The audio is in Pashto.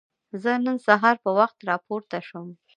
زه نن سهار په وخت راپورته شوم.